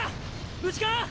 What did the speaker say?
無事か？